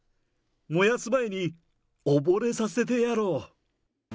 燃やす前に溺れさせてやろう。